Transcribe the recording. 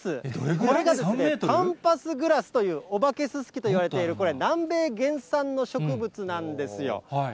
これがパンパスグラスというお化けススキといわれている、これ、南米原産の植物なんですよ。